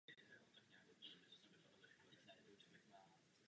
Postupně sílí a loví králíky.